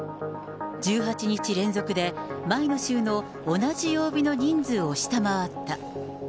１８日連続で、前の週の同じ曜日の人数を下回った。